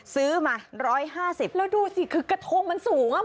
ซื้อมาร้อยห้าสิบแล้วดูสิคือกระโทงมันสูงอ่ะ